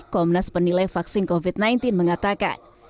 komnas penilai vaksin covid sembilan belas mengatakan